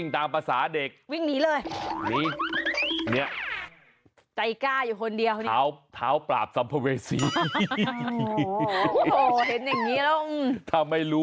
ถ้าไม่รู้ว่าเป็นครู